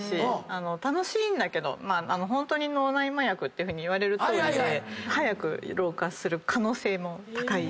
楽しいんだけどホントに脳内麻薬っていわれるとおりで早く老化する可能性も高い。